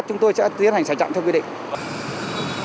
chúng tôi sẽ tiến hành xảy trạm theo quy định